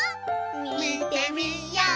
みてみよう！